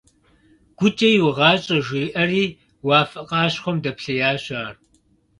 ГукӀэ «иугъащӀэ» жиӀэри уафэ къащхъуэм дэплъеящ ар.